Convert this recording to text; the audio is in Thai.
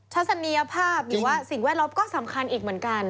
ศันีภาพหรือว่าสิ่งแวดล้อมก็สำคัญอีกเหมือนกัน